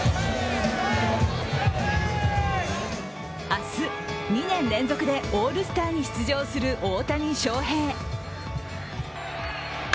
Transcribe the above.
明日、２年連続でオールスターに出場する大谷翔平。